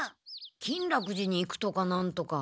金楽寺に行くとかなんとか。